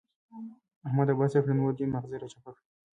احمده! بس يې کړه نور دې ماغزه را چپه کړل.